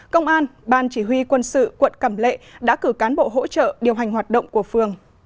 công an ban chỉ huy quân sự quận cẩm lệ đã cử cán bộ hỗ trợ điều hành hoạt động của phường